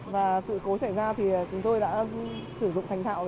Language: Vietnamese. và sự cố xảy ra thì chúng tôi đã sử dụng thành thảo rồi